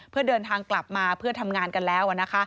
เพื่อเดินทางกลับมาเพื่อทำงานกันแล้ว